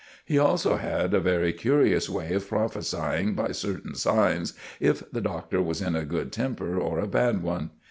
He also had a very curious way of prophesying by certain signs if the Doctor was in a good temper or a bad one.